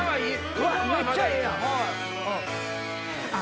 めっちゃええやん！